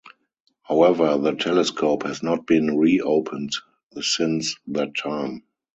However the telescope has not been reopened since that time.